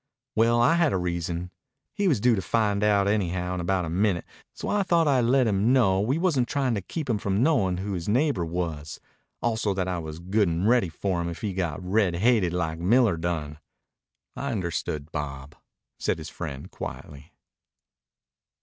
"Well, I had a reason. He was due to find it out anyhow in about a minute, so I thought I'd let him know we wasn't tryin' to keep him from knowin' who his neighbor was; also that I was good and ready for him if he got red haided like Miller done." "I understood, Bob," said his friend quietly.